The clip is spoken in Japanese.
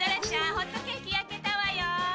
ホットケーキ焼けたわよ。